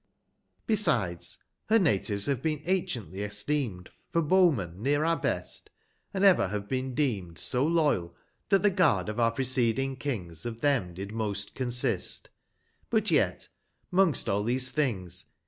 Besides, her natives have been anciently esteem'd, 225 For bowmen § near our best, and ever have been deem'd So loyal, that the Guard of our preceding Kings, Of them did most consist ; but yet 'mongst all these things.